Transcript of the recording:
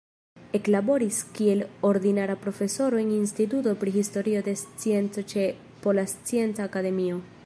Eklaboris kiel ordinara profesoro en Instituto pri Historio de Scienco ĉe Pola Scienca Akademio.